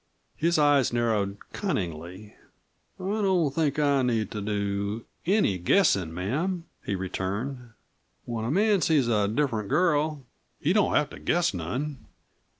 His eyes narrowed cunningly. "I don't think I need to do any guessin', ma'am," he returned. "When a man sees a different girl, he don't have to guess none."